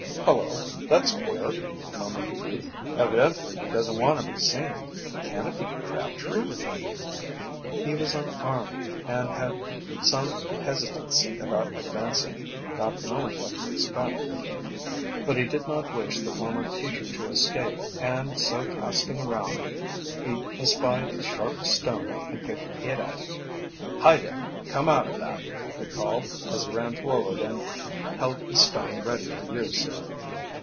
"Hullo, that's queer," murmured the youth. "Evidently he doesn't want to be seen. Can it be Crabtree?" He was unarmed, and had some hesitancy about advancing, not knowing what to expect. But he did not wish the former teacher to escape, and so casting around he espied a sharp stone and picked it up. "Hi, there, come out of that!" he called, as he ran forward and held the stone ready for use.